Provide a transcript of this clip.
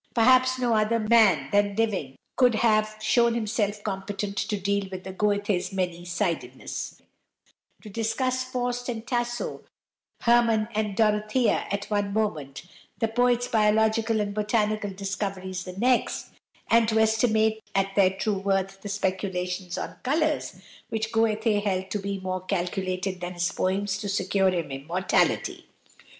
Perhaps no other man then living could have shown himself competent to deal with Goethe's many sidedness to discuss "Faust" and "Tasso," "Hermann und Dorothea" at one moment, the poet's biological and botanical discoveries the next, and to estimate at their true worth the speculations on colours, which Goethe held to be more calculated than his poems to secure him immortality.